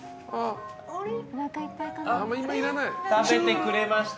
食べてくれました。